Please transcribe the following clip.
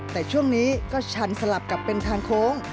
แต่ช่วงนี้ก็ชันสลับกับเป็นทางโค้ง